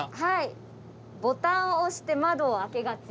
「ボタンを押して窓を開けがち」。